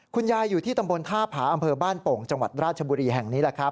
คุณยายอยู่ที่ตำบลท่าผาอำเภอบ้านโป่งจังหวัดราชบุรีแห่งนี้แหละครับ